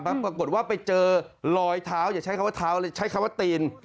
ปรากฏว่าไปเจอรอยเท้าอย่าใช้คำว่าเท้าใช้คำว่าตีน